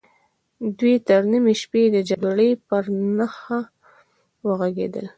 دوی تر نيمې شپې د جګړې پر نخشه وغږېدل.